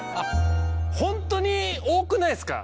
本当に多くないですか？